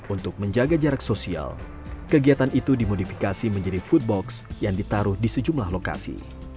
untuk menjaga jarak sosial kegiatan itu dimodifikasi menjadi food box yang ditaruh di sejumlah lokasi